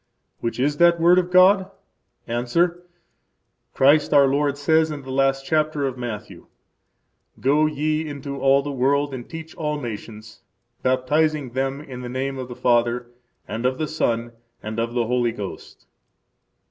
Which is that word of God? –Answer: Christ, our Lord, says in the last chapter of Matthew: Go ye into all the world and teach all nations, baptizing them in the name of the Father, and of the Son, and of the Holy Ghost.